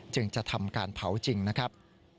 จึงจะทำการเผาจริงนะครับ